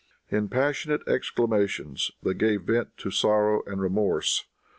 In passionate exclamations they gave vent to sorrow and remorse.